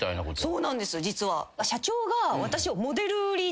そうなんです実は。